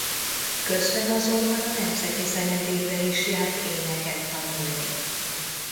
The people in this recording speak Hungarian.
Közben azonban a Nemzeti Zenedébe is járt éneket tanulni.